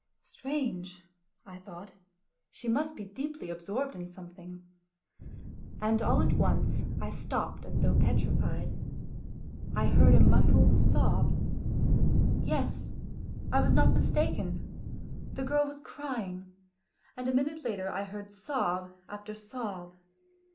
" Strange," I thought ;" she must be deeply absorbed in some thing," and all at once I stopped as though petrified. I heard a muffled sob. Yes ! I was not mistaken, the girl was crying, and a minute later I heard sob after sob.